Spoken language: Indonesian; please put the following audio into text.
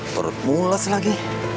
perut mulas lagi